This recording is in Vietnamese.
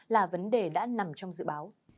là vấn đề đã nằm trong dự báo